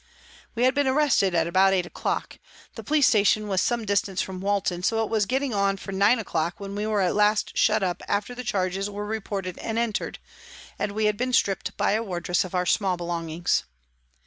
We had been arrested at about 8 o'clock ; the police station was some distance from Walton, so it was getting on for 9 o'clock when we were at last shut up after the charges were reported and entered, and we had been stripped by a wardress of our small belongings.